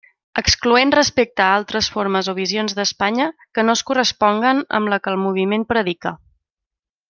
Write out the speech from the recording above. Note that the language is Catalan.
Excloent respecte a altres formes o visions d'Espanya que no es corresponguen amb la que el moviment predica.